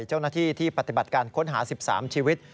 เจ้าหน้าที่ที่ปฏิบัติการค้นหา๑๓ชีวิต